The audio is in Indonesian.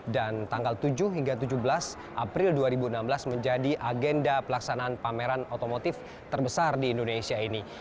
dan tanggal tujuh hingga tujuh belas april dua ribu enam belas menjadi agenda pelaksanaan pameran otomotif terbesar di indonesia ini